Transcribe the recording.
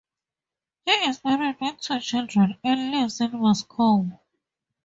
He is married with two children, and lives in Moscow.